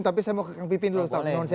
tapi saya mau ke kang pipin dulu